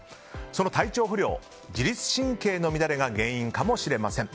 その体調不良、自律神経の乱れが原因かもしれません。